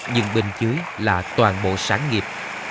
nhưng bên dưới là toàn bộ sản nghiệp